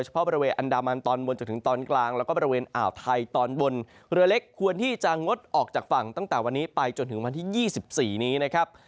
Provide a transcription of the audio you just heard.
เพราะบริเวณอันดามันตอนบนจนถึงตอนกลางแล้วก็บริเวณอ่าวไทยตอนบนเรือเล็กควรที่จะงดออกจากฝั่งตั้งแต่วันนี้ไปจนถึงวันที่๒๔นี้นะครับ